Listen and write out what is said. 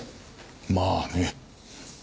まあね。